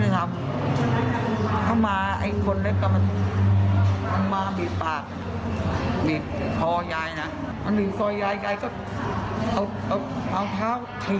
ถ้าจับได้จะชกอีกหนึ่งจังยายซิ